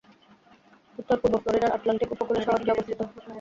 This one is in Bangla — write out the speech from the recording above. উত্তর-পূর্ব ফ্লোরিডার আটলান্টিক উপকূলে শহরটি অবস্থিত।